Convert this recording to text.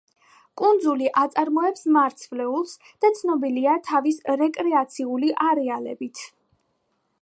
კუნძული აწარმოებს მარცვლეულს და ცნობილია თავის რეკრეაციული არეალებით.